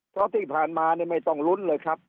เพราะที่ผ่านมาไม่ต้องลุ้นเลยครับ